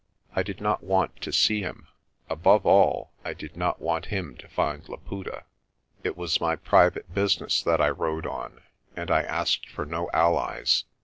I did not want to see him; above all, I did not want him to find Laputa. It was my private business that I rode on and I asked for no allies.